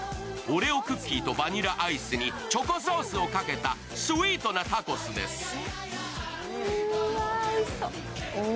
オレオクッキーとバニラアイスにチョコソースをかけたスイートなタコスです。